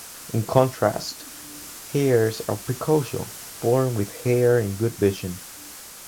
In contrast, hares are precocial, born with hair and good vision.